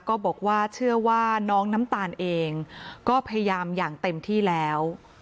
ก็บอกว่าเชื่อว่าน้องน้ำตาลเองก็พยายามอย่างเต็มที่แล้ว